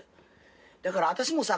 だから私もさ